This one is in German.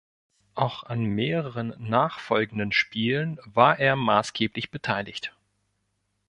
Auch an mehreren nachfolgenden Spielen war er maßgeblich beteiligt.